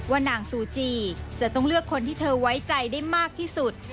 นางซูจีจะต้องเลือกคนที่เธอไว้ใจได้มากที่สุด